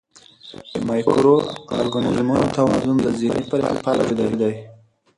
د مایکرو ارګانیزمونو توازن د ذهني فعالیت لپاره ضروري دی.